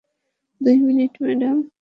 দুই minute, madam.